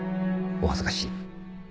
お恥ずかしい。